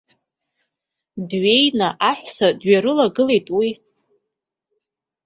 Дҩеины аҳәса дҩарыглахәааит уи.